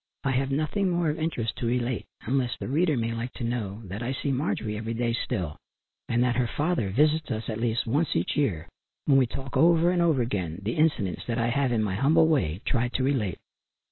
I have nothing more of interest to relate, unless the reader may like to know that I see Marjorie every day still, and that her father visits us at least once each year, when we talk over and over again, the incidents that I have, in my humble way, tried to relate.